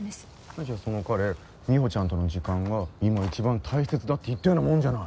じゃあその彼美帆ちゃんとの時間が今一番大切だって言ったようなもんじゃない。